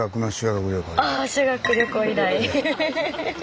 あ修学旅行以来。